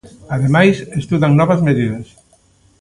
Ademais, estudan novas medidas.